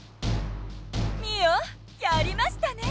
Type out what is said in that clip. ミオやりましたね！